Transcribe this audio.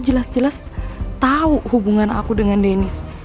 jelas jelas tahu hubungan aku dengan deniz